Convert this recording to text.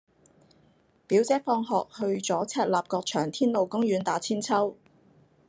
表姐放學去左赤鱲角翔天路公園打韆鞦